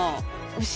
牛？